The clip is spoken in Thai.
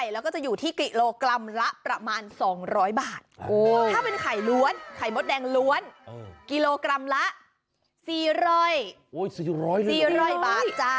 แล้วก็จะอยู่ที่กิโลกรัมละประมาณ๒๐๐บาทถ้าเป็นไข่ล้วนไข่มดแดงล้วนกิโลกรัมละ๔๐๐๔๐๐บาทจ้ะ